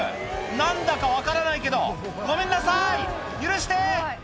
何だか分からないけどごめんなさい許して！